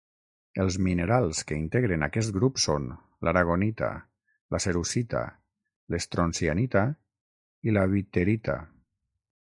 Els minerals que integren aquest grup són: l'aragonita, la cerussita, l'estroncianita i la witherita.